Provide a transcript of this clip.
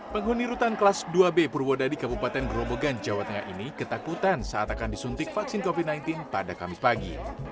penghuni rutan kelas dua b purwodadi kabupaten grobogan jawa tengah ini ketakutan saat akan disuntik vaksin covid sembilan belas pada kamis pagi